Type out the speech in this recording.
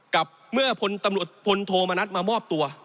กับเมื่อพลโทมณัฐมามอบตัว